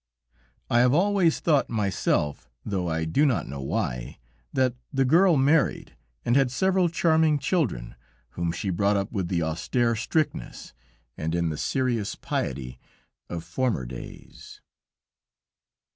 "I have always thought myself, though I do not know why, that the girl married and had several charming children, whom she brought up writh the austere strictness, and in the serious piety of former days!"